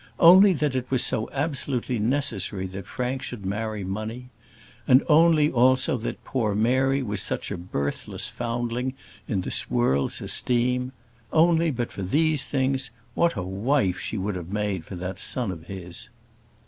Only that it was so absolutely necessary that Frank should marry money and only, also, that poor Mary was such a birthless foundling in the world's esteem only, but for these things, what a wife she would have made for that son of his!